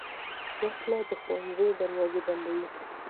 وسله د ښوونځي دروازې بندوي